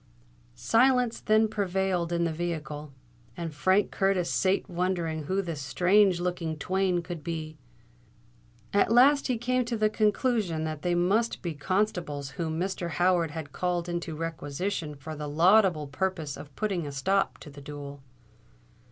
Silence then prevailed in the vehicle; and Frank Curtis sate wondering who the strange looking twain could be. At last he came to the conclusion that they must be constables whom Mr. Howard had called into requisition for the laudable purpose of putting a stop to the duel.